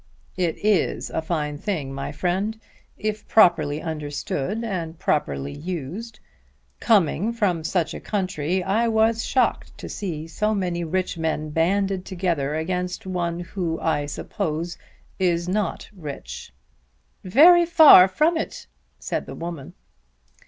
"It is a fine thing, my friend, if properly understood and properly used. Coming from such a country I was shocked to see so many rich men banded together against one who I suppose is not rich." "Very far from it," said the woman.